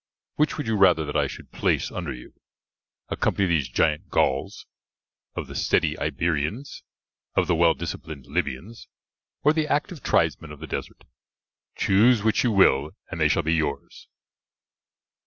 Which would you rather that I should place under you a company of these giant Gauls, of the steady Iberians, of the well disciplined Libyans, or the active tribesmen of the desert? Choose which you will, and they shall be yours."